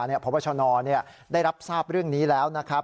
พบชนได้รับทราบเรื่องนี้แล้วนะครับ